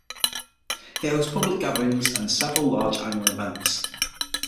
It hosts public gatherings, and several large annual events.